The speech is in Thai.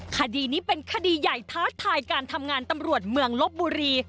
คดีนี้เป็นคดีใหญ่ท้าทายการทำงานตำรวจเมืองลบบุรี